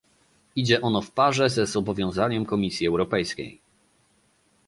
Idzie ono w parze ze zobowiązaniem Komisji Europejskiej